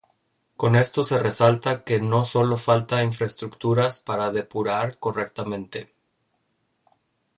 Con esto se resalta que no solo falta infraestructuras para depurar correctamente